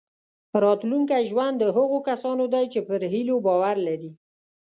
راتلونکی ژوند د هغو کسانو دی چې پر هیلو باور لري.